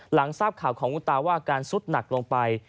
หลังทราบข่าวของคุณตาว่าอาการสุดหนักลงไป